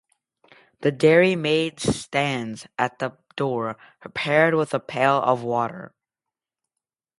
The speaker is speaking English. The dairymaid stands at the door prepared with a pail of water.